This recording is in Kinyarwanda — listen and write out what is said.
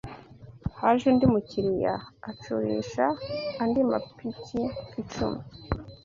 Haje undi mukiriya acurisha andi mapiki icumi